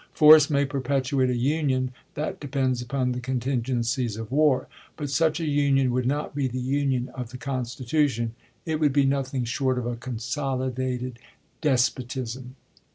Force may perpetuate a Union — that Stephens, depends upon the contingencies of war. But such a J^"™^ Union would not be the Union of the Constitution : it states," would be nothing short of a consolidated despotism.